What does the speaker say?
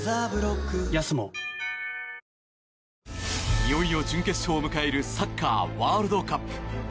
いよいよ準決勝を迎えるサッカーワールドカップ。